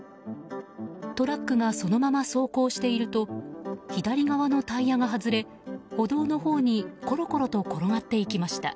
トラックがそのまま走行していると左側のタイヤが外れ歩道のほうにころころと転がっていきました。